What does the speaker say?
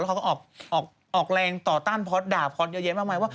แล้วเขาก็ออกแรงต่อต้านพอสด่าพอสเยอะแยะมากมายว่า